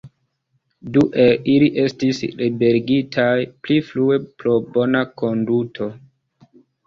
Du el ili estis liberigitaj pli frue pro bona konduto.